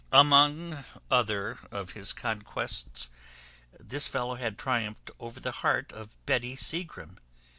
Among other of his conquests, this fellow had triumphed over the heart of Betty Seagrim.